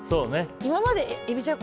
今まで、エビちゃん